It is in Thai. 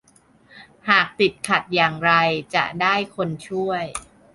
หากติดขัดอย่างไรจะได้คนช่วย